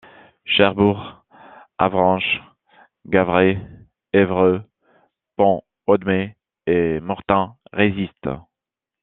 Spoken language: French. Cherbourg, Avranches, Gavray, Évreux, Pont-Audemer et Mortain résistent.